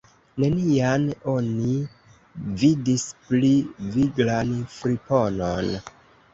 Nenian oni vidis pli viglan friponon.